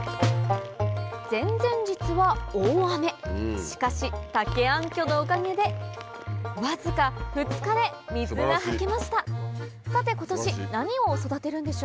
前々日は大雨しかし竹暗渠のおかげでわずか２日で水がはけました